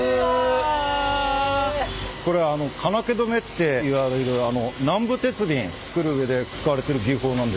これはあの金気止めっていわれる南部鉄瓶作る上で使われてる技法なんです。